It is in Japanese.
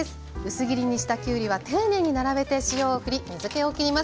薄切りにしたきゅうりは丁寧に並べて塩をふり水けをきります。